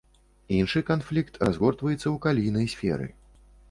Іншы канфлікт разгортваецца ў калійнай сферы.